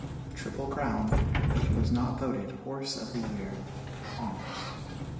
Triple Crown that was not voted "Horse of the Year" honors.